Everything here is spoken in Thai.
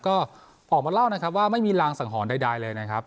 ก็ออกมาเล่านะครับว่าไม่มีรางสังหรณ์ใดเลยนะครับ